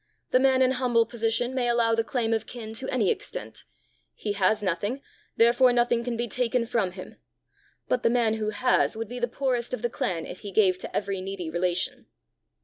"The man in humble position may allow the claim of kin to any extent: he has nothing, therefore nothing can be taken from him! But the man who has would be the poorest of the clan if he gave to every needy relation."